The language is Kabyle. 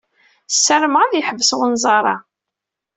Ssarameɣ ad yeḥbes unẓar-a.